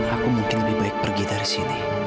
aku mungkin lebih baik pergi dari sini